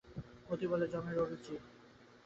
মতি বলে, যমের অরুচি।